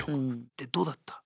でどうだった？